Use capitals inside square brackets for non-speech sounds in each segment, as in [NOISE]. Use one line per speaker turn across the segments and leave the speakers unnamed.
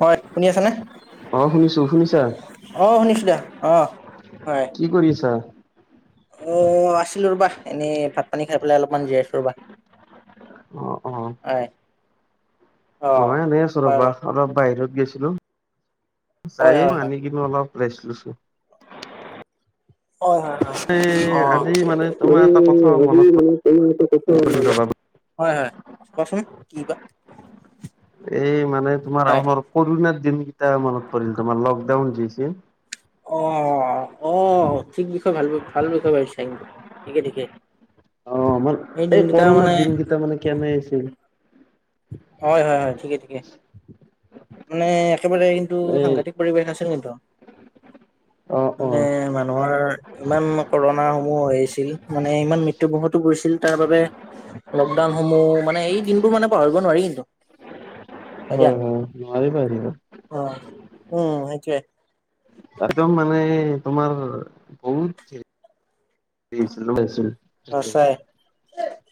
হয় শুনি আছা নে,
অ শুনিছো শুনিছা
অ' শুনিছো দিয়া অ হয়
কি কৰি আছা?
অ' আছিলো ৰবা এনেই ভাত পানী খাই পেলাই অলপমান জীৰাই আছো ৰবা।
অ', অ।
হয়। অ'
ময় এনেই আছো ৰবা
বাৰু
অলপ বাহিৰত গৈছিলো।
হয় হয় হয়
[UNINTELLIGIBLE] অলপ ৰেছ লয়চো।
অ', হয়,
এ আজি মানে তোমাৰ এটা কথা
হয়-হয়।
মনত পৰিল ৰবা
[UNINTELLIGIBLE] হয়, হয় কোৱাচোন কি বা?
এই মানে তোমাৰ
হয়।
আমাৰ কৰোণাৰ দিনগিটা মনত পৰিল তোমাৰ লকডাউন যি আছিল।
অ', অ, ঠিক বিষয়ে ভাল ভাল বিষয় ভাবিছা কিন্তু ঠিকে ঠিকে।
অ', মানে
সেই
এই
দিনকেইটা মানে
কৰোণাৰ দিনগিটা মানে কেনে আছিল।
হয়, হয়-হয় ঠিকে ঠিকে মানে একেবাৰে কিন্তু
এই
সাংঘাতিক পৰিৱেশ আছিল কিনতো।
অ অ
মানে মানুহৰ ইমান কৰনা [UNINTELLIGIBLE] আহিছিল মানে ইমান মৃত্যুৰ মোখত পৰিছিল। তাৰ বাবে লকডাউনসমূহ মানে এই দিনবোৰ মানে পাহৰিব নোৱাৰি কিন্তু।
হয় হয়
[UNINTELLIGIBLE] অ',
নোৱাৰিবা আহিব
অ', সেইটোয়ে।
একদম মানে তোমাৰ বহুত। [UNINTELLIGIBLE]
আছাই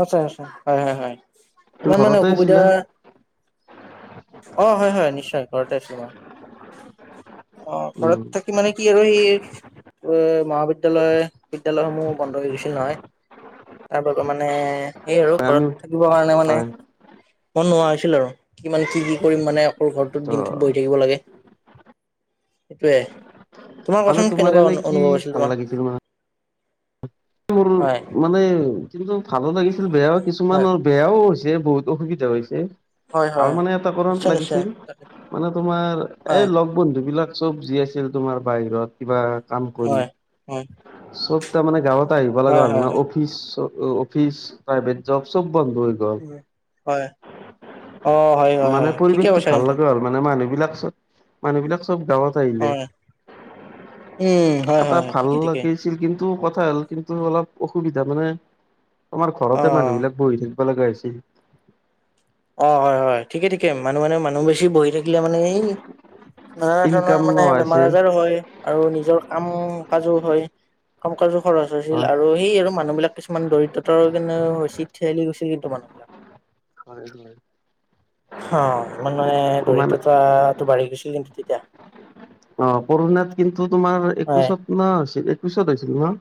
আছাই আ হয় হয় হয়
তুমি
ইমান মানে
ঘৰতে
অসুবিধা
আছিলা
অ হয় হয় নিশ্চয় ঘৰতে আছো মই অ ঘৰত
উম
থাকি মানে কি আৰু সেই এ মহাবিদ্যালয় বিদ্যালয়সমূহ বন্ধ হৈ গৈছিল নহয় তাৰ বাবে মানে সেয়ে আৰু
হয় আমি
ঘৰত থাকিবৰ কাৰণে মানে
হয়
মন নোৱা হৈছিল আৰু কিমান কি কি কৰিম মানে ঘৰটোত
অ
দিনটোত বহি থাকিব লাগে সেইটোৱে তোমাৰ
মানে
কচোন কেনেকুৱা
এনে কি
অনুভৱ আছিল
ভাল
তোমাৰ
লাগিছিল মানে মোৰ
হয়
মানে কিন্তু ভালো লাগিছিল বেয়াও কিছুমান
হয়
আৰু বেয়াও হৈছিল হৈছে বহুত অসুবিধা হৈছে
হয় হয়
ভাল মানে এটা কৰত
নিশ্চয় নিশ্চয়
লাগিছিল মানে তোমাৰ এই
হয়
লগ বন্ধু বিলাক চব যি আছিল তোমাৰ বাহিৰত কিবা কাম কৰি
হয় হয়
চব তাৰ মানে গাঁৱত [UNINTELLIGIBLE]
হয় হয় হয় উম। হয় অ হয়
[UNINTELLIGIBLE]
হয়
মানে
হয় ঠিকে
পৰিৱেশটো
কৈছা
ভাল
কিন্তু
লগা আৰু মানে মানুহ বিলাক চব মানুহ বিলাক চব গাঁৱত আহিলে
হয় উম হয়
এটা
হয় হয়
ভাল
ঠিকে ঠিকে
লাগিছিল কিন্তু টো কথা হ'ল কিন্তু অলপ অসুবিধা মানে আমাৰ
অ
ঘৰতে মানুহ বিলাক বহি থাকে লগা হৈছিল
অ হয় হয় ঠিকে ঠিকে মানুহ মানে মানুহ বেছি বহি থাকিলে মানে এই নানা ধৰণৰ
ইনকাম
মানে
নোহোৱা
বেমাৰ
হৈছে
আজাৰো হয় আৰু নিজৰ কাম কাজো হয় কাম কাজো খৰচ হৈছিল
হয়।
আৰু সেইয়ে আৰু মানুহ বিলাক কিছুমান দৰিদ্ৰতাৰ পিনে ঠেলি গৈছিল [UNINTELLIGIBLE]
হয়
অ ইমান মানে
মানে
দৰিদ্ৰতাটো বাঢ়ি গৈছিলে নেকি
অ কৰোনাত কিন্তু তোমাৰ
হয়।
একৈশত ন হৈছিল একৈশত হৈছিল নহ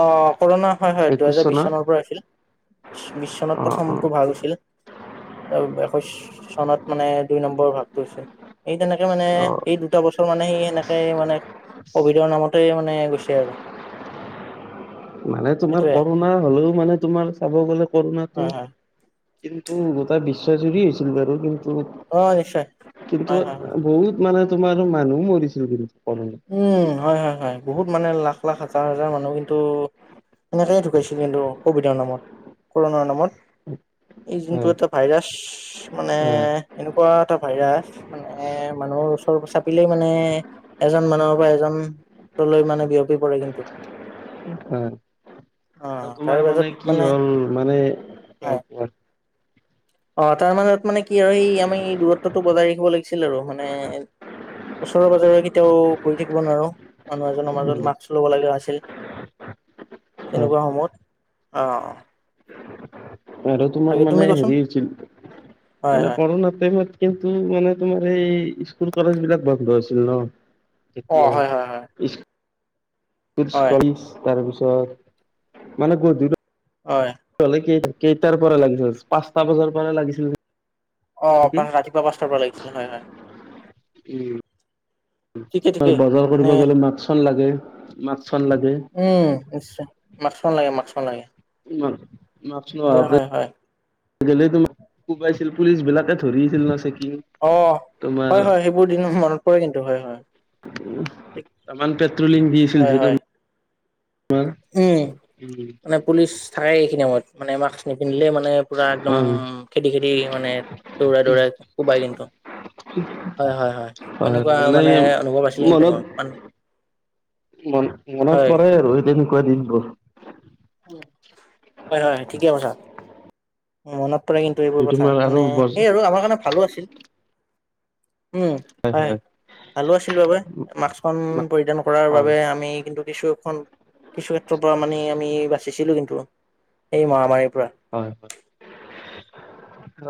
অ কৰোণা হয় হয় দুহেজাৰ বিশ চনৰ পৰা হৈছিল বিশ
অ
চনত
অ
প্ৰথমটো ভাগ হৈছিল একৈশ চনত মানে দুই নম্বৰৰ ভাগটো হৈছে এই তেনেকে মানে
অ
এই দুটা বছৰ মানে সি সেনেকে মানে কভিডৰ নামত মানে গৈছে আৰু
মানে তোমাৰ
এইটোয়ে
কৰোণা হলেও মানে তোমাৰ চাব গলে কৰোণাটো
হয় হয়
কিন্তু গোটেই বিশ্বজুৰি হৈছিল বাৰু কিন্তু
অ', নিশ্চয়
কিন্তু
হয় হয় হয়।
বহুত মানে তোমাৰো মানুহো মৰিছিল কিন্তু কৰোণাত
উম হয় হয় হয় বহুত মানে লাখ লাখ হাজাৰ হাজাৰ মানুহ কিন্তু এনেকেইে ঢুকাইছিল কিন্তু কভিডৰ নামত কৰোণাৰ নামত
অ
এই যোনটো এটা ভাইৰাছ মানে
হয়
এনেকুৱা এটা ভাইৰাছ মানে মানুহৰ ওচৰ চাপিলেই মানে এজন মানুহৰ পৰা এজনলৈ মানে বিয়পি পৰে কিন্তু
অ
অ
আৰু
তাৰ
তোমাৰ
পাছত
মানে কি হ'ল মানে অ
হয়
ক
অ তাৰ মাজত মানে কি আৰু এই আমি দূৰত্বটো বজাই ৰাখিব লাগিছিল আৰু মানে ওচৰে পাজৰে কেতিয়াও বহি থাকিব নোৱাৰো মানুহ এজনৰ মাজত
উম
মাস্ক লব লগা আছিল
হয়
তেনেকুৱা সময়ত অ অ
আৰু তোমাৰ মানে
কোৱাচোন
হেৰি হৈছিল
হয়
মানে
হয়
কৰোনাতে মই কিন্তু মানে তোমাৰ এই স্কুল কলেজ বিলাক বন্ধ আছিল ন
অ
যেতিয়া
হয় হয় হয়
ইছ
হয়
[UNINTELLIGIBLE]
হয়
কেই-কেই কেইটাৰ পৰা লাগিছিল? পাঁচটা বজাৰ পৰা লাগিছিল।
অ',
নেকি।
আপোনাক ৰাতিপুৱা পাঁচটাৰ পৰা লাগিছিলে। হয়, হয়। ঠিকে
উ'ম।
ঠিকেই
বজাৰ
মানে
কৰিব গলে মাক্সখন লাগে। মাক্স
উ'ম। নিশ্চয়! মাক্সখন লাগে, মাক্সখন লাগে।
মাক্স
হয়,
নোহোৱাকে
হয়, হয়
গ'লে তোমাক কোবাই ছিল। পুলিচ বিলাকে ধৰি আছিল ন চেকিং।
অ',
তোমাৰ
হয়, হয়। সেইবোৰ দিন মনত পৰে কিন্তু হয়, হয়।
উ'ম
ঠিক,
তামাম পেট্ৰলিং দি আছিল
হয়,
যি।
হয় উ'ম। মানে পুলিচ থাকে। এইখিনি সময়ত মানে আমাক নিপিন্ধিলে মানে পুৰা একদম
অ
খেদি খেদি মানে দৌৰাই
হয়
দৌৰা কোবাই কিন্তু হয়, হয়, হয়। এনেকুৱা মানে অনুভৱ আছিলে কিন্তু
মনত
মোৰ।
মন মনত
হয়।
পৰে আৰু সেই তেনেকুৱা দিন বোৰ।
হয়, হয় ঠিকে কৈছা। মনত পৰে কিন্তু এইবোৰ কথা
তোমাৰ আৰু
মানে।
বজ
সেই আৰু
হয়
আৰু আমাৰ কাৰণে ভালো আছিল। উ'ম, হয়। ভালো আছিল বাবে মাস্কখন পৰিধান কৰাৰ
হয়
বাবে আমি কিন্তু কিছু কিছু ক্ষেত্ৰৰ পৰা মানে আমি বাচিছিলো কিন্তু এই মহামাৰীৰ পৰা
হয়, হয়।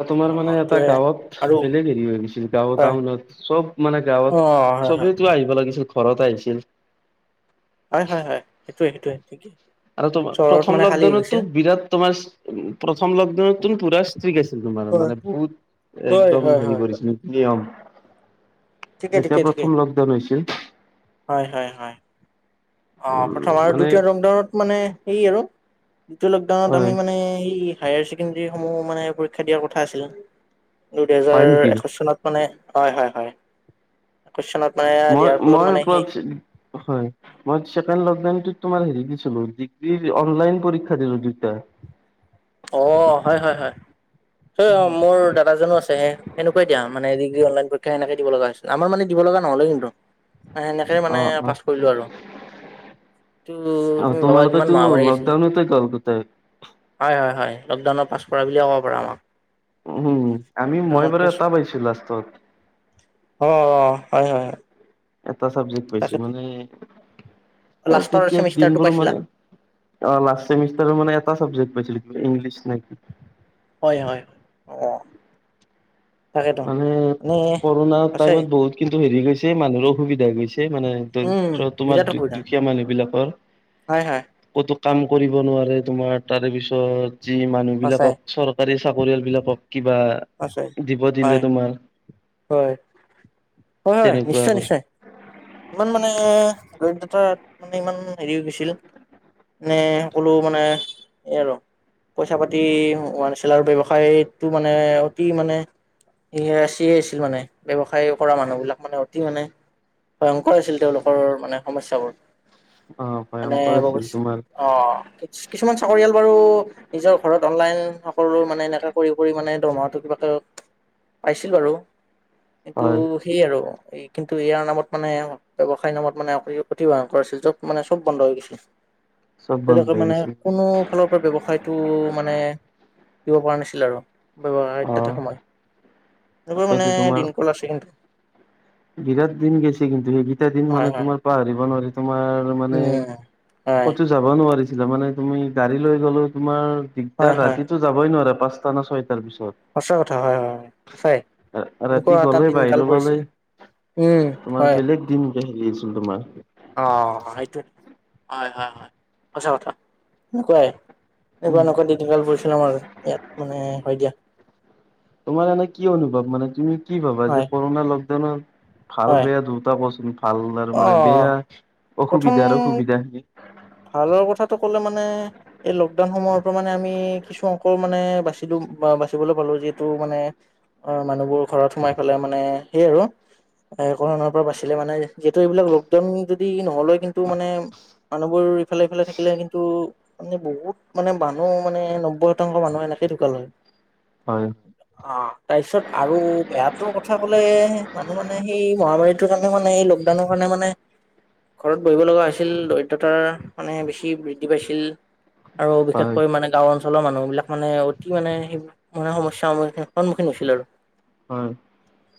তোমাৰ
অ
মানে এটা
সেইটোৱে
গাঁৱত
আৰু
বেলেগ হেৰি হৈ গৈছিল। গাঁওত,
হয়
টাউনত চব। মানে
অ
গাঁৱত
হয় হয়
সবেইতো আহিব লাগিছিল, ঘৰত আহিছিল।
হয়, হয়, হয়। সেইটোৱে- সেইটোৱে। ঠিকেই
আৰু তোমাৰ
চহৰত
প্ৰথম
মানে খালী হৈ
লকডাউনতো
গৈছিল
বিৰাট তোমাৰ উ প্ৰথম লকডাউনতো পুৰা স্ত্ৰীক আছিল। তোমাৰ
হয়
মানে বহুত
হয়
একদম
হয়
হেৰি
হয় হয়
কৰিছিল নিয়ম
ঠিকে
যেতিয়া
ঠিকে ঠিকে
প্ৰথম লকডাউন হৈছিল।
হয় হয় হয় অ',
উম
প্ৰথম আৰু
মানে
দ্বিতীয় লকডাউনত মানে সেই আৰু দ্বিতীয়টো লকডাউনত
হয়
আমি মানে সেই হায়াৰ ছেকেণ্ডৰীসমূহ মানে পৰীক্ষা দিয়াৰ কথা আছিল।
হয় নেকি?
দুহেজাৰ একৈছ চনত মানে হয়, হয়, হয়। একৈশ চনত মানে
মই,
দিয়াৰ ফলত
মই
মানে সেই
হয়, মই চেকেণ্ড লকডাউনটোত তোমাৰ হেৰি দিছিলো ডিগ্ৰি অনলাইন পৰীক্ষা দিলো দুটা।
অ', হয়, হয়, হয় তই অ', মোৰ দাদাজনো আছে। সেনেকুৱাই দিয়া মানে। অনলাইন পৰীক্ষা সেনেকে দিব লগা হৈছিল। আমাৰ মানে দিব লগা নহলে কিন্তু। সেনেকে মানে
অ' অ'
পাছ কৰিলো আৰু ত,
অ'
তুমি ভাবা কিমান
তোমালোকেতো
মহামাৰি আছিল।
লকডাউনতে গ'ল গোটেই।
হয়, হয়। লকডাউনৰ পাছ বুলিয়ে ক'ব পাৰা আমাক।
উ'ম। আমি মই
লকডাউনত
বাৰু
পাছ
এটা পাইছো লাষ্টত।
হয়, হয়, হয়।
এটা চাবজেক্ট পাইছো
তাকেতো
মানে
লাষ্টৰ
তেতিয়া
চেমিষ্টাৰটো
দিনবোৰ
পাইছিলা
মানে লাষ্ট চেমিষ্টাৰ মানে এটা চাব্জেকট পাইছিলো। ইংলিছ না কি?
হয়, হয়। অ'। তাকেতো
মানে
মানে
কৰোণাৰ
সঁচাই
টাইমত বহুত কিন্তু হেৰি গৈছে। মানুহৰো অসুবিধা গৈছে। মানে
উম
দৰিদ্ৰ তোমাৰ
বিৰাট অসুবিধা
দুখীয়া মানুহ বিলাকৰ।
হয় হয়
ক'তো কাম কৰিব নোৱাৰে। তোমাৰ তাৰে পিছত যি মানুহ
সঁচাই
বিলাকক চৰকাৰী চাকৰিয়াল বিলাকক কিবা
আছে।
বা দিলে তোমাৰ।
হয়, হয়, হয়।
তেনেকুৱা
নিশ্চয়,
বস্তু
নিশ্চয়। ইমান মানে দৰিদ্ৰতা মানে ইমান হেৰি হৈ গৈছিল। নে সকলো মানে এই আৰু পইচা -পাতি হোৱা নাছিল। ব্যৱসায়টো মানে অতি মানে। স চিয়ে আছিল মানে ব্যৱসায় কৰা মানুহবিলাক মানে অতি মানে ভয়ংকৰ হৈ আছিল তেওলোকৰ মানে সমস্যাবোৰ।
অ',
মানে
ভয়ংকৰ আছিল তোমাৰ
অ, কিছুমান চাকৰিয়াল বাৰু নিজৰ ঘৰত অনলাইন সকল মানে এনেকা কৰি - কৰি মানে দৰমহাটো কিবাকিব পাইছিল বাৰু কিন্তু
হয়
সেয় আৰু এই কিন্তু ইয়াৰ নামত মানে ব্যেৱসায়ৰ নামত মানেভন কৰাছিল যব মানে চব বন্ধ হৈ গৈছিল।
চব বন্ধ
তেওলোকে
হৈ
মানে
গৈছিল
কোনো ফালৰ পৰা ব্যৱসায় টো মানে দিব পৰা নাছিল আৰু ব্যেৱসায়
অ
তাতে সময় এনেকুৱা মানে
তাকেতো তোমাৰ
দিন কল আছে কিন্তু।
বিৰাট দিন গেছে কিন্তু সেইকেইটা দিন
হয়
মানে
হয়
তোমাৰ পাহৰিব নোৱাৰি। তোমাৰ মানে
উম। হয়
ক'তো যাব নোৱাৰিছিলা মানে তুমি গাড়ী লৈ গলেও তোমাৰ দিগদাৰ
হয়
ৰাতিতো যাবই নোৱাৰে পাচটা ন ছয়টা
সচা কথা হয় - হয় সচাই
ৰাতি
এনেকুৱা এটা
গ'লে বাহিৰ
দিনকাল
ওলালে
পৰিছিল। উম,
তোমাৰ
হয়।
বেলেগ দিন হেৰি আছিল তোমাৰ
অ, সেইটো হয়- হয় -হয় সচা কথা। এনেকুৱা-
উম
এনেকুৱা দিনকাল পৰিছিল আৰু ইয়াত, মানে হয় দিয়া।
তোমাৰ এনে কি অনুভৱ? মানে তুমি কি ভাবা
হয়
যে কৰোণা লকডাউন ভাল
হয়
বেয়া দুটা কওচোন ভাল আৰু
অ
মানে বেয়া অসুবিধা আৰু
প্ৰথম
সুবিধা।
ভালৰ কথাটো কলে মানে এই লকডাউন সময়তো মানে আমি কিছু অংকৰ মানে বাছি দিও। বাচিবলৈ পালো যিহেতু মানে অ, মানুহবোৰ ঘৰত সোমাই পেলাই মানে সেইয় আৰু একো ধৰণৰ পৰা বাচিলে মানে যিহেতু এইবিলাক লকডাউন যদি নহল হৈ কিন্তু মানে মানুহবোৰ ইফালে- ইফালে থাকিলে কিন্তু মানে বহুত মানে মানুহ মানে নব্বৈ শতাংশ মানুহ এনেকে ঢুকালে হয়।
হয়।
তাৰপিছত আৰু বেয়াটোৰ কথা ক'লে মানুহ মানে সেই মহামাৰীটোৰ কাৰণে মানে এই লকডাউনৰ কাৰণে মানে ঘৰত বহিব লগা হৈছিল দৰিদ্ৰতাৰ মানে বেছি বৃদ্ধি পাইছিল। আৰু
হয়
বিশেষকৈ মানে গাওৰ অঞ্চলৰ মানুহ বিলাক মানে অতি মানে সেই মানে সমস্যাৰ সন্মুখীন হৈছিল।
হয়।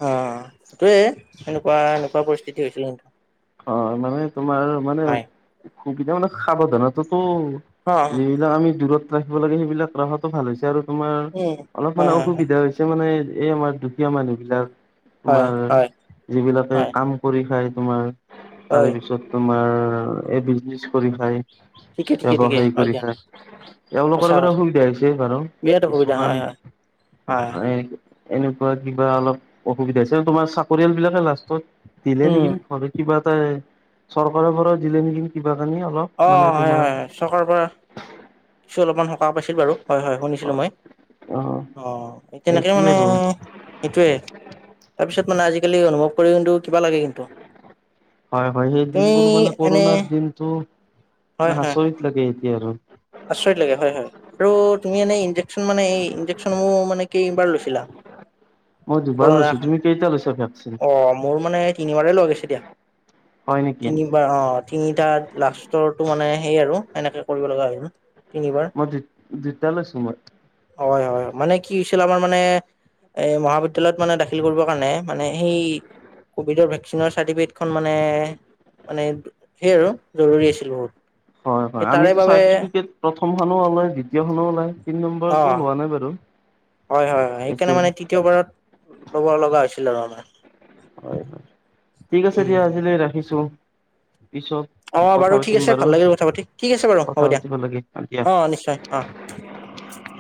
আহ সেইটোৱেই এনেকুৱা -এনেকুৱা পৰিস্থিতি হৈছিল আৰু
অ মানে তোমাৰ মানে সুবিধা মানে সাৱধানটো
অ
যিবিলাক আমি দূৰত ৰাখিব লাগে সেইবিলাক ৰখো ভাল হৈছে আৰু। তোমাৰ
উম
অলপ
হয়
মানে
হয়
অসুবিধা হৈছে মানে এই আমাৰ দুখীয়া মানুহ বিলাক
হয়
তোমাৰ
হয় হয়
যিবিলাকে
হয়
কাম কৰি খাই তোমাৰ তাৰে
হয়
পিছত তোমাৰ এই বিজনেচ কৰি খায়
ঠিকে ঠিকে ঠিকে
ব্যৱসায়
হয়
কৰি
দিয়া
খায়। এলোকৰ
সঁচা
বাবে
কথা
সুবিধা হৈছে বাৰু
বিৰাট অসুবিধা
কিছুমান
হয় হয় হয়
এনেকুৱা কিবা অলপ অসুবিধা হৈছে তোমাৰ চাকৰিয়াল বিলাকে লাষ্টত দিলে
উম
নেকি ঘৰ কিবা এটা চৰকাৰৰ ঘৰত দিলে নেকি কিবা। আনি
অ
অলপ মানে
হয়
তোমাৰ
হয় হয় চৰকাৰৰ পৰা কিছু অলপমান পাইছিল বাৰু হয় -হয় শুনিছিলো মই। অ, তেনেকে
সেইটোৱে
মানে
আৰু
সেইটোৱে তাৰপিছত মানে আজিকালি অনুভৱ কৰি কিন্তু কিবা লাগে কিন্তু
হয় হয় সেই
তুমি
দিনবোৰ মানে
এনে
কৰোণাৰ দিনটো
হয় -
মানে
হয়
আচৰিত লাগে এতিয়া আৰু
আচৰিত লাগে। হয় তুমি এনে মোৰ মানে এই ইনজেকচন মোৰ মানে কি বাৰ লৈছিলা।
মই দুবাৰ লৈছো তুমি কেইটা লৈছা ভেকচিন
অ, মোৰ মানে তিনিবাৰে লৈ গৈছে দিয়া।
হয় নেকি
তিনিবাৰ অ, তিনিটা লাষ্টৰটো মানে সেই আৰু এনেকে কৰিব লগা হৈ
মই দুটা লৈছো মই।
হয়- হয় মানে কি হৈছিল আমাৰ মানে, এই মহাবিদ্যালয়ত মানে দাখিল কৰিবৰ কাৰণে মানে সেই ক'ভিডৰ ভেকচিনৰ চাৰ্টিফিকেটখন মানে- মানে সেই আৰু জৰুৰী আছিল বহুত।
হয়- হয়
সেই তাৰে
আমিটো
বাবে
চাৰ্টিফিকেট প্ৰথমো ওলাই দ্বিতীয়খনো ওলাই তিনি নম্বৰ
অ'
লোৱা নাই বাৰু
হয়- হয় -হয় সেইকাৰণে
এইটোৱে
মানে তৃতীয়বাৰত ল'ব লগা হৈছিল আৰু আৰু
হয় হয় ঠিক আছে দিয়া আজিলৈ ৰাখিছো। পিছত
অঁ
কথা
বাৰু ঠিক
পাতিম
আছে। ভাল লাগিল কথা পাতি ঠিক আছে বাৰু
কথা
হ'ব দিয়া
পাতিব লাগে দিয়া।
অঁ, নিশ্চয় অঁ।
[INAUDIBLE]